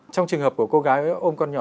trong trường hợp của cô gái ôm con nhỏ